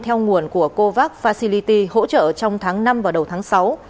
theo nguồn của covax facility hỗ trợ trong tháng năm và đầu tháng sáu